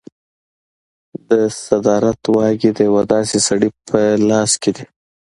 د صدارت واګې د یو داسې سړي په لاس کې دي.